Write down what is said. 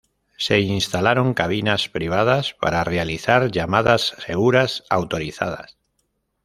Se instalaron cabinas privadas para realizar llamadas seguras autorizadas.